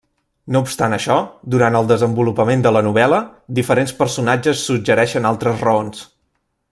No obstant això, durant el desenvolupament de la novel·la, diferents personatges suggereixen altres raons.